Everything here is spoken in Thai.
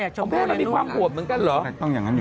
ของแม่มันมีความห่วงเหมือนกันเหรอ